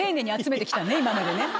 今までね。